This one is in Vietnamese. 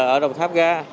ở đồng tháp ga